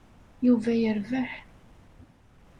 Yuba yerbeḥ.